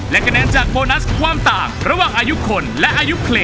และคะแนนจากโบนัสความต่างระหว่างอายุคนและอายุเคล็